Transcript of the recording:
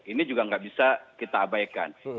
ini juga nggak bisa kita abaikan